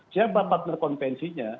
siapa partner kompensinya